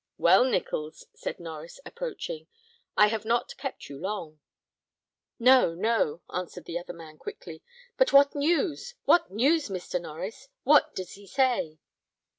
"Well, Nichols," said Norries, approaching, "I have not kept you long." "No, no," answered the other man, quickly; "but what news what news, Mr. Norries? What does he say?